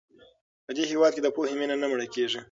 په دې هېواد کې د پوهې مینه نه مړه کېږي.